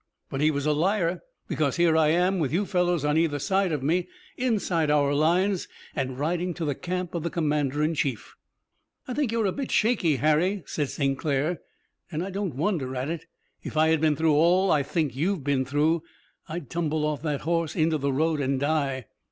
But he was a liar, because here I am, with you fellows on either side of me, inside our lines and riding to the camp of the commander in chief." "I think you're a bit shaky, Harry," said St. Clair, "and I don't wonder at it. If I had been through all I think you've been through I'd tumble off that horse into the road and die."